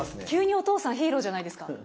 急にお父さんヒーローじゃないですか。